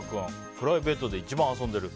プライベートで一番遊んでいる。